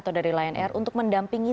atau dari lion air untuk mendampingi